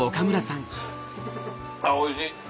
あっおいしい！